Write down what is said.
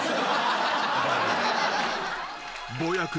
［ぼやく